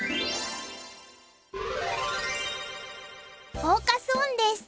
フォーカス・オンです。